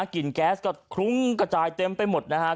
แก๊สก็คลุ้งกระจายเต็มไปหมดนะครับ